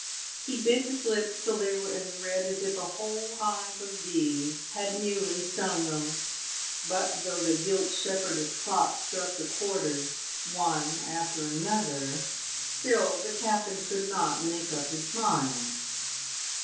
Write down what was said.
He bit his lips till they were as red as if a whole hive of bees had newly stung them. But though the gilt shepherdess clock struck the quarters one after another, still the captain could not "make up his mind."